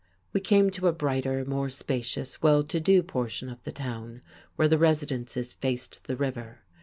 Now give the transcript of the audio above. We came to a brighter, more spacious, well to do portion of the town, where the residences faced the river.